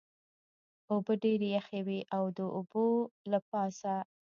اوبه ډېرې یخې وې، د اوبو له پاسه.